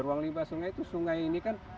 ruang limpah sungai itu sungai ini